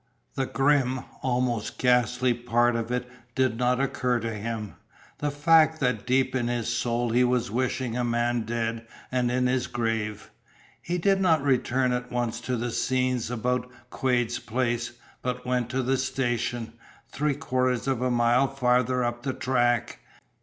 The grim, almost ghastly part of it did not occur to him the fact that deep in his soul he was wishing a man dead and in his grave. He did not return at once to the scenes about Quade's place, but went to the station, three quarters of a mile farther up the track.